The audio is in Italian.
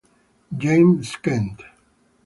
James Kent